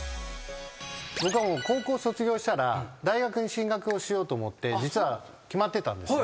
僕は高校を卒業したら大学に進学をしようと思って実は決まってたんですね。